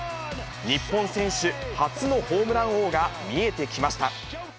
日本選手初のホームラン王が見えてきました。